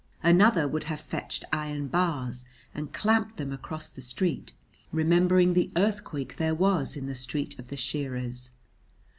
Another would have fetched iron bars and clamped them across the street, remembering the earthquake there was in the street of the shearers.